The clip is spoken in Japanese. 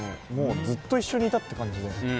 ずっと一緒にいたって感じです。